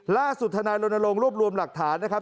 ล่าสุดธนายลงรวบรวมหลักฐานนะครับ